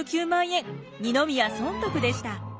二宮尊徳でした。